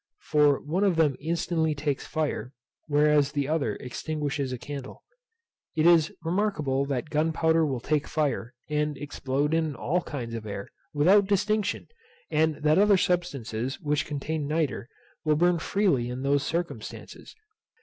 For one of them instantly takes fire, whereas the other extinguishes a candle. It is remarkable that gunpowder will take fire, and explode in all kinds of air, without distinction, and that other substances which contain nitre will burn freely in those circumstances.